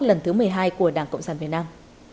lần thứ một mươi hai của đảng cộng sản việt nam